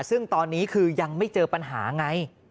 ซึ่งตอนนี้คือยังไม่เจอปัญหาไง